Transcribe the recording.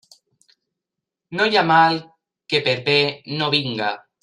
No hi ha mal que per bé no vingui.